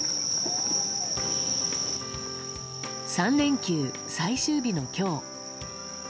３連休最終日の今日。